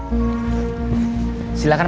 oh makasih mak eros